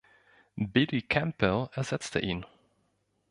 Billy Campbell ersetzte ihn.